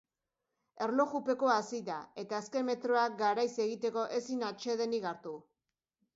Erlojupekoa hasi da, eta azken metroak garaiz egiteko ezin atsedenik hartu.